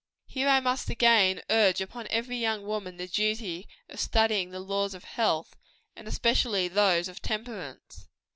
Here I must again urge upon every young woman the duty of studying the laws of health, and especially those of temperance.